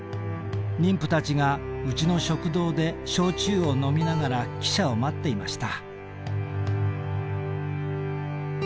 人夫たちがうちの食堂で焼酎を飲みながら汽車を待っていました」。